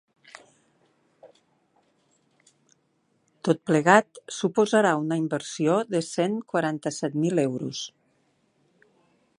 Tot plegat suposarà una inversió de cent quaranta-set mil euros.